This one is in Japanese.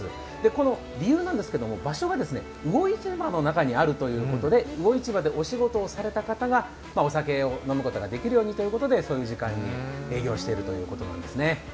この理由なんですけど、場所が魚市場の中にあるということで魚市場でお仕事をされた方が、お酒を飲むことができるようにということでそういう時間に営業しているということなんですね。